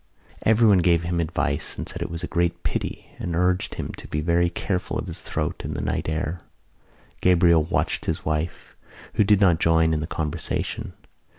Everyone gave him advice and said it was a great pity and urged him to be very careful of his throat in the night air. Gabriel watched his wife, who did not join in the conversation.